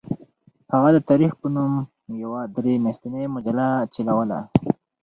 هغه د تاریخ په نوم یوه درې میاشتنۍ مجله چلوله.